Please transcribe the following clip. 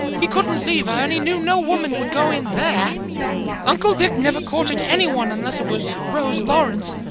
He couldn't leave her and he knew no woman would go in there. Uncle Dick never courted anyone, unless it was Rose Lawrence.